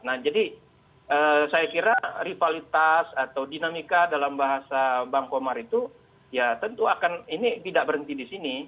nah jadi saya kira rivalitas atau dinamika dalam bahasa bang komar itu ya tentu akan ini tidak berhenti di sini